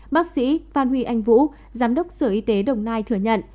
bác sĩ phan huy anh vũ giám đốc sở y tế đồng nai thừa nhận